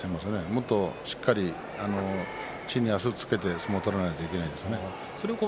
もっとしっかりと地に足を着けて相撲を取らなければいけませんね。